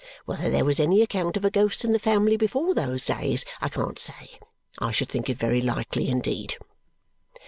Whether there was any account of a ghost in the family before those days, I can't say. I should think it very likely indeed."